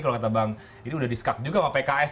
kalau kata bang ini udah disekak juga sama pks